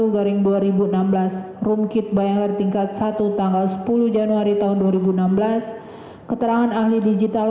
garing dua ribu enam belas rumkit bayangkar tingkat satu tanggal sepuluh januari tahun dua ribu enam belas keterangan ahli digital